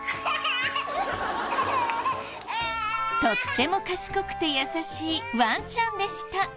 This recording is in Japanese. とっても賢くて優しいワンちゃんでした。